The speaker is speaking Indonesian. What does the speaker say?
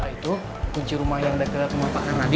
itu kunci rumah yang ada di rumah pak nadi